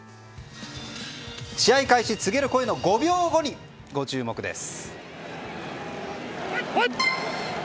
試合開始告げる前の５秒後に注目です。